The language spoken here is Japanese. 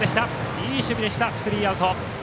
いい守備でスリーアウト。